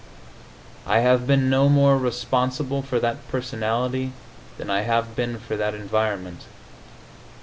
I have been no more responsible for that personality than I have been for that environment.